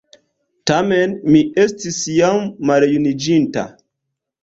Tamen mi estis jam maljuniĝinta.